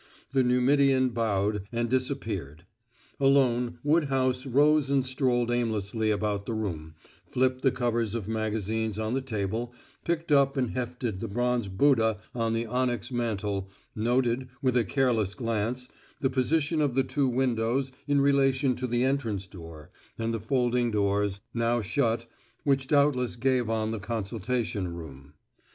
The Numidian bowed, and disappeared. Alone, Woodhouse rose and strolled aimlessly about the room, flipped the covers of magazines on the table, picked up and hefted the bronze Buddha on the onyx mantel, noted, with a careless glance, the position of the two windows in relation to the entrance door and the folding doors, now shut, which doubtless gave on the consultation room.